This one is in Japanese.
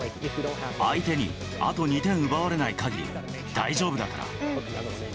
相手にあと２点奪われないかぎり、大丈夫だから。